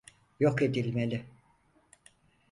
Yok edilmeli.